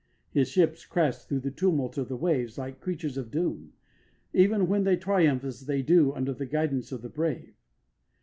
His ships crash through the tumult of the waves like creatures of doom, even when they triumph as they do under the guidance of the brave.